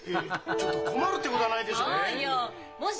ちょっと困るってことはないでしょう！